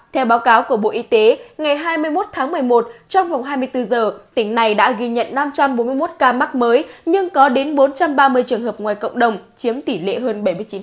theo báo cáo của bộ y tế ngày hai mươi một tháng một mươi một trong vòng hai mươi bốn giờ tỉnh này đã ghi nhận năm trăm bốn mươi một ca mắc mới nhưng có đến bốn trăm ba mươi trường hợp ngoài cộng đồng chiếm tỷ lệ hơn bảy mươi chín